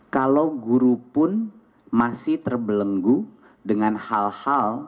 kalau guru pun masih terbelenggu dengan hal hal